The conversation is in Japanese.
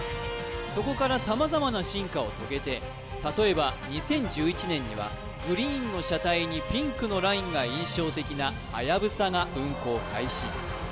そこから様々な進化を遂げて例えば２０１１年にはグリーンの車体にピンクのラインが印象的なはやぶさが運行開始